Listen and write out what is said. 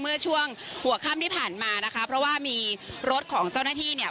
เมื่อช่วงหัวค่ำที่ผ่านมานะคะเพราะว่ามีรถของเจ้าหน้าที่เนี่ย